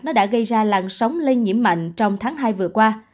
nó đã gây ra làn sóng lây nhiễm mạnh trong tháng hai vừa qua